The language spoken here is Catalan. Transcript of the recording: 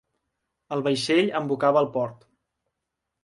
El vaixell embocava el port.